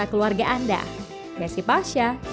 selamat merancang menu sahur untuk bekas